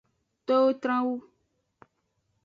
Towo tran wu.